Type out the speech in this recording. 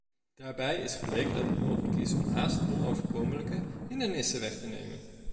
Daarbij is gebleken dat het mogelijk is om haast onoverkomelijke hindernissen weg te nemen.